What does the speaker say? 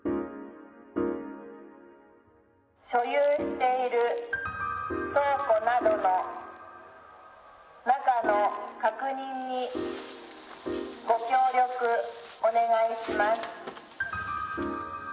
所有している倉庫などの中の確認にご協力お願いします。